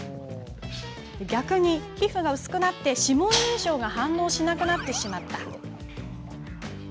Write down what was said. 逆に皮膚が薄くなり、指紋認証が反応しなくなってしまった。